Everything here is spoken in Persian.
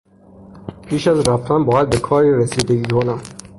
پیش از رفتن باید به کاری رسیدگی کنم.